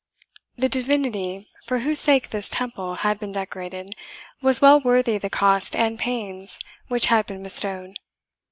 The divinity for whose sake this temple had been decorated was well worthy the cost and pains which had been bestowed.